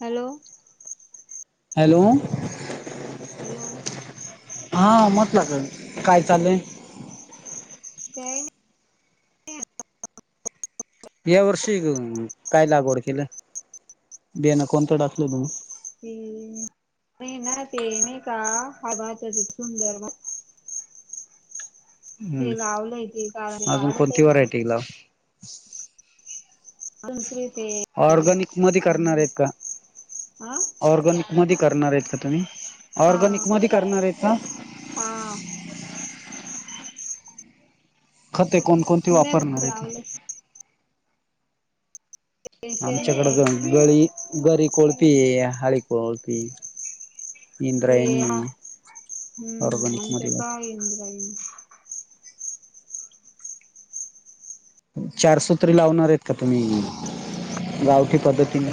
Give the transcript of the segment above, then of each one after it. Hello hello hello- हा मत लागल काय चाललंय काय या वर्षी काय लागवड केलं बियाणं कोणतं टाकल तुम्ही हे मे ना ते नाही का हा भात सुंदर भा ते हम्म लावलंय ते कारण ते वाढते ना हिला दुसरे ते ऑरर्गनिक मध्ये करणार आहेत का हा ऑरर्गनिक मध्ये करणार आहेत का तुम्ही हा ऑरर्गनिक मध्ये करणार आहेत का? हा खते कोणकोणती तुम्ही वापरणार कोणतं आहेत. लावलं ते आमच्याकडे शेणखत ग-गळी गरी कोळपी हे हाळी कोळपी ते इंद्रायणी हा ऑरर्गनिक मध्ये भात इंद्रायणी चारसूत्रीे लावणार आहेत का तुम्ही गावठी पद्धतीने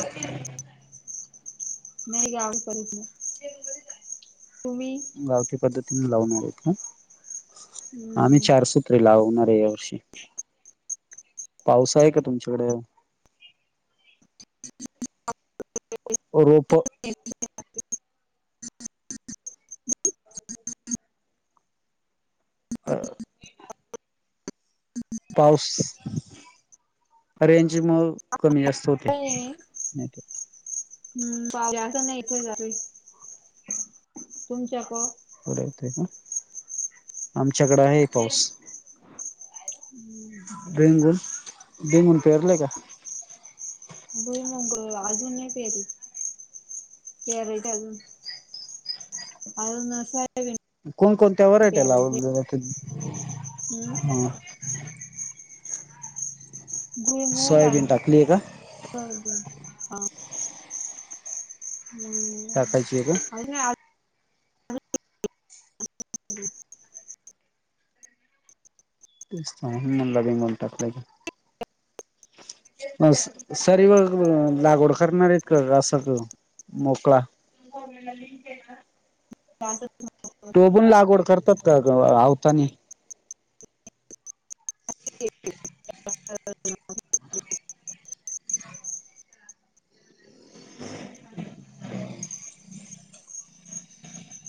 नाही गावी करीत नाय तुम्ही गावच्या पद्धतीने लावणार आहेत का आम्ही हम्म चारस तो लावणार आहे, यावर्षी पाऊस आहे का तुमच्याकडे ओ रोप अ््् पाऊस रेंज मुळं कमी जास्त होतो काए च च च च हम्म् पांऊस जास्त नाही थोडा चालुए तुमच्याकडं उद्या येतोय अ् आमच्याकडे आहे पाऊस हम्म् च च च बेंगून बेंगून पेरलयं का भुईमूग अजून नाही पेरलं पेरायचाय अजुन अजुन नाश्ता नाही केला कोणकोणत्या व्हरायटया लावून नेल्या तिद् हम्म हा भुईमुग आणि सोयाबीन टाकली आहे का टाकायची एक का अजुन [unintelligible] [inaudible] [unintelligible] लागवड करणार आहेत का अस सगळं मोकळा हो आपल्याला लिंक दीलेली हाय ना. [inaudible] टोबून लागवड करतात का ग आवतानी. [inaudible]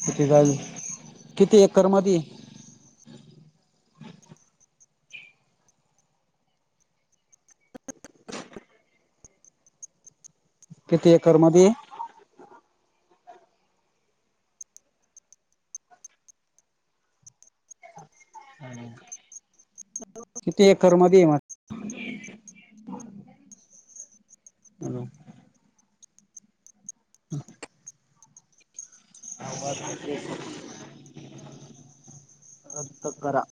किती झालं किती एकरमधी. किती एकरमधी. किती एकरमधी [unintelligible] [inaudible] हॅलो हा आवाज [unintelligible] रद्द करा